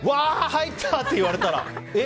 入った！って言われたらえ？